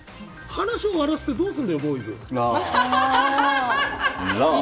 話終わらせてどうするんだよ、ボーイズ。